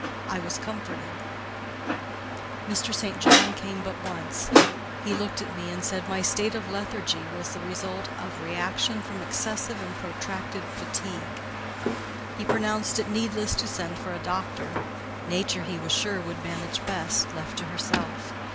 I was comforted. Mr. St. John came but once: he looked at me, and said my state of lethargy was the result of reaction from excessive and protracted fatigue. He pronounced it needless to send for a doctor: nature, he was sure, would manage best, left to herself.